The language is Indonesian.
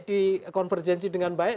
di konvergensi dengan baik